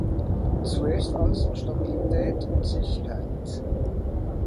Zuerst also Stabilität und Sicherheit.